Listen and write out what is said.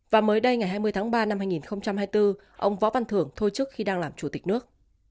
và mới đây ngày hai mươi ba hai nghìn hai mươi bốn ông võ văn thưởng thổi chức khi đang là chủ tịch nước